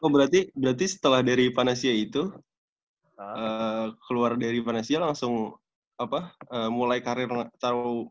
berarti berarti setelah dari panasia itu keluar dari panasia langsung apa mulai karir